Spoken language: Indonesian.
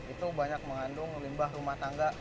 itu banyak mengandung limbah rumah tangga